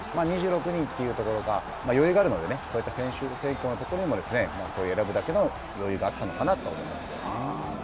２６人というところが余裕があるので、そういった選手のところにも選ぶだけの余裕があったのかなと思います。